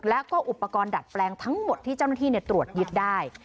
แล้วก็อุปกรณ์ดัดแปลงทั้งหมดที่เจ้าหน้าที่ตรวจยึดได้